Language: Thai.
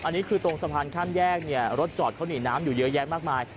อันนี้คือตรงสะพานข้ามแยกเนี่ยรถจอดเขาหนีน้ำอยู่เยอะแยะมากมาย